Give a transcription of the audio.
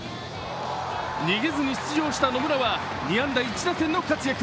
逃げずに出場した野村は２安打１打点の活躍。